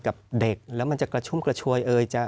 กับเด็กแล้วมันจะกระชุ่มกระชวยเอ่ย